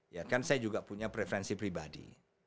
ya kan saya juga punya preferensi pribadi